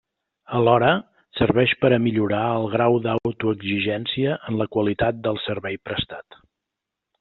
Alhora, serveix per a millorar el grau d'autoexigència en la qualitat del servei prestat.